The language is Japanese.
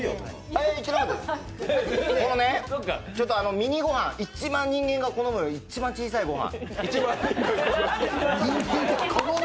このね、ミニご飯、一番人間が好む一番小さいご飯。